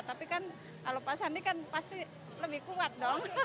tapi kan kalau pak sandi kan pasti lebih kuat dong